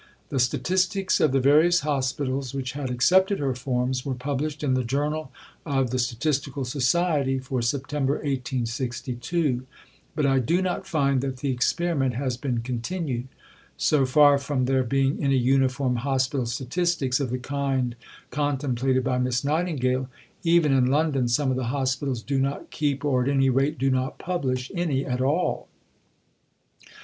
The statistics of the various hospitals which had accepted her Forms were published in the Journal of the Statistical Society for September 1862, but I do not find that the experiment has been continued. So far from there being any uniform hospital statistics, of the kind contemplated by Miss Nightingale, even in London some of the hospitals do not keep, or at any rate do not publish, any at all.